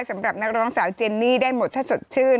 สำหรับนักร้องสาวเจนนี่ได้หมดถ้าสดชื่น